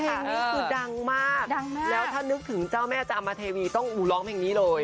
เพลงนี้คือดังมากดังมากแล้วถ้านึกถึงเจ้าแม่จามเทวีต้องร้องเพลงนี้เลย